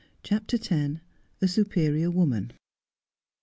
CHAPTEE X. A SUPERIOR WOMAN.